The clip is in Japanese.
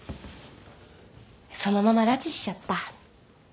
そのまま拉致しちゃった。